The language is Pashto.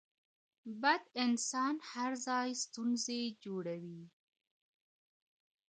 بد انسان هر ځای ستونزي جوړوي